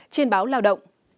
trên báo lao động